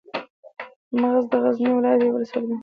مقر د غزني ولايت یوه ولسوالۍ ده.